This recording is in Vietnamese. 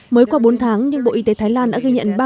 mới qua bốn tháng nhưng bộ y tế thái lan đã ghi nhận